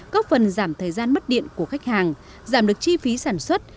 góp phần giảm thời gian mất điện của khách hàng giảm được chi phí sản xuất